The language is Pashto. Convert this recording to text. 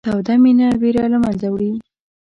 توده مینه وېره له منځه وړي.